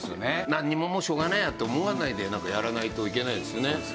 何ももうしょうがないやって思わないでなんかやらないといけないですよね。